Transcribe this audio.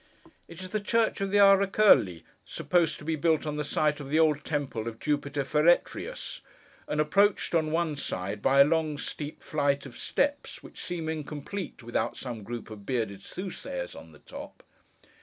It is the church of the Ara Coeli, supposed to be built on the site of the old Temple of Jupiter Feretrius; and approached, on one side, by a long steep flight of steps, which seem incomplete without some group of bearded soothsayers on the top.